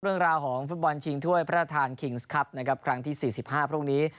เรื่องราวของฟุตบอลชิงถ้วยพระธรรณคิงส์คลับครั้งที่๔๕พรุ่งนี้